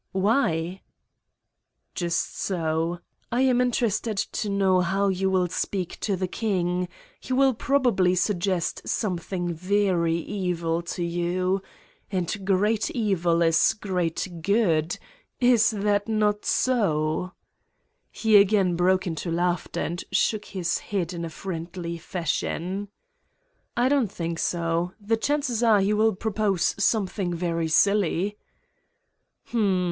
"Why?" "Just so. I am interested to know how you will speak to the king: he will probably suggest something very evil to you. And great evil is great good. Is that not so?" He again broke into laughter and shook his head in a friendly fashion. 169 Satan's Diary "I don't think so. The chances are he will pro pose something very silly." "Hm!